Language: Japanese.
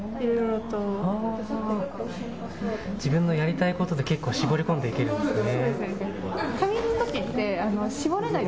自分のやりたいことで絞り込んでいけるんですね。